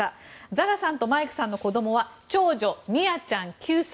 ザラさんとマイクさんの子供は長女ミアちゃん、９歳。